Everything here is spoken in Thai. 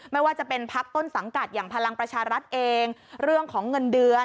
ไม่ว่าจะเป็นพักต้นสังกัดอย่างพลังประชารัฐเองเรื่องของเงินเดือน